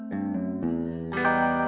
gak ada yang peduli